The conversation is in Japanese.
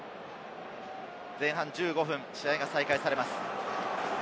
前半１５分、試合が再開されます。